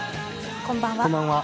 こんばんは。